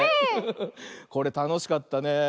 これたのしかったねえ。